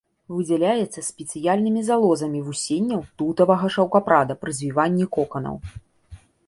Выдзяляецца спецыяльнымі залозамі вусеняў тутавага шаўкапрада пры звіванні коканаў.